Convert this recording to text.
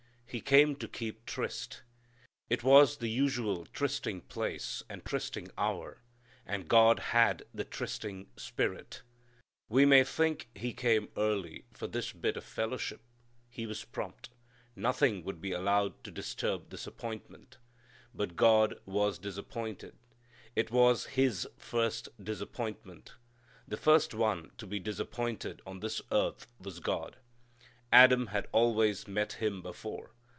He came to keep tryst. It was the usual trysting place and trysting hour, and God had the trysting spirit. We may think He came early for this bit of fellowship. He was prompt. Nothing would be allowed to disturb this appointment. But God was disappointed. It was His first disappointment. The first one to be disappointed on this earth was God. Adam had always met Him before.